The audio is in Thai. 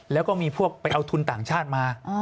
แล้วก็มีพวกไปเอาทุนต่างชาติมา